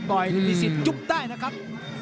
พิสิทธิยุบได้นะครับ